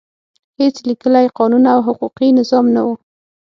هېڅ لیکلی قانون او حقوقي نظام نه و.